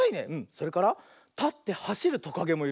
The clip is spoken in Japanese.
それからたってはしるトカゲもいるね。